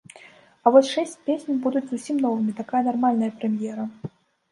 А вось шэсць песень будуць зусім новымі, такая нармальная прэм'ера!